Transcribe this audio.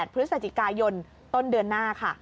พฤศจิกายนต้นเดือนหน้าค่ะ